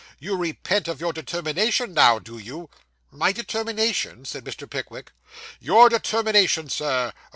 You repent of your determination now, do you?' 'My determination!' said Mr. Pickwick. 'Your determination, Sir.